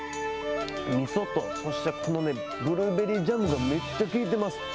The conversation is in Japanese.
みそと、そしてこのブルーベリージャムが、めっちゃ効いてます。